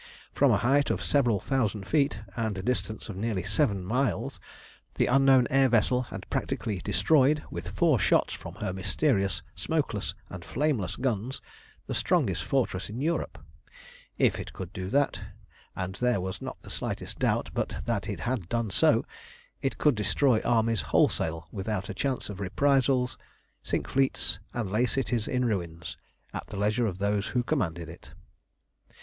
From a height of several thousand feet, and a distance of nearly seven miles, the unknown air vessel had practically destroyed, with four shots from her mysterious, smokeless, and flameless guns, the strongest fortress in Europe. If it could do that, and there was not the slightest doubt but that it had done so, it could destroy armies wholesale without a chance of reprisals, sink fleets, and lay cities in ruins, at the leisure of those who commanded it.